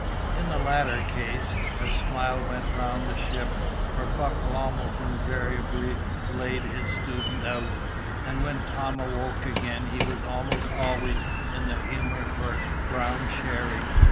In the latter case, a smile went round the ship, for Buckle almost invariably laid his student out, and when Tom awoke again he was almost always in the humour for brown sherry.